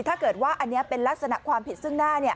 ถ้าเกิดว่าอันนี้เป็นลักษณะความผิดซึ่งหน้า